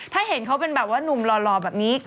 ถ้าเห็นเขาเป็นแบบว่านุ่มหล่อแบบนี้